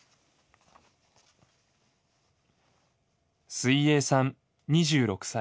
水泳さん２６歳。